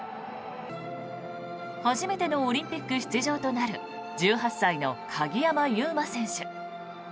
初めてのオリンピック出場となる１８歳の鍵山優真選手。